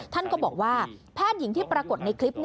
ท่านก็บอกว่าแพทย์หญิงที่ปรากฏในคลิป